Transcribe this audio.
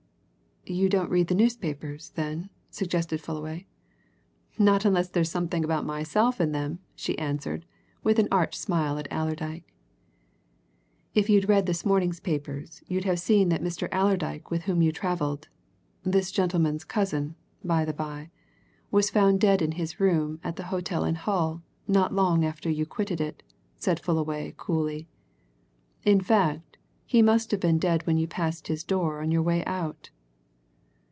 "You don't read the newspapers, then?" suggested Fullaway. "Not unless there's something about myself in them," she answered, with an arch smile at Allerdyke. "If you'd read this morning's papers, you'd have seen that the Mr. Allerdyke with whom you travelled this gentleman's cousin, by the by was found dead in his room at the hotel in Hull not so long after you quitted it," said Fullaway coolly. "In fact, he must have been dead when you passed his door on your way out."